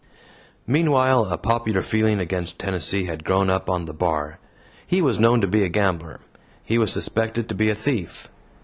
Meanwhile a popular feeling against Tennessee had grown up on the Bar. He was known to be a gambler; he was suspected to be a thief.